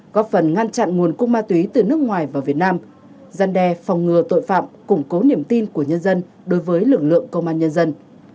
góp phần ngăn chặn nguồn cung ma túy từ nước ngoài vào việt nam gian đe phòng ngừa tội phạm củng cố niềm tin của nhân dân đối với lực lượng công an nhân dân